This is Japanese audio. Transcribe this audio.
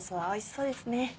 そうですね